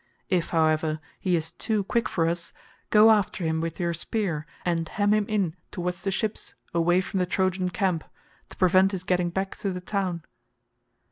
If, however, he is too quick for us, go after him with your spear and hem him in towards the ships away from the Trojan camp, to prevent his getting back to the town."